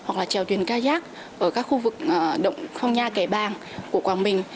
hoặc trèo tuyến kayak ở các khu vực động phong nha kẻ bàng của quảng bình